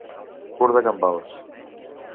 Curt de gambals.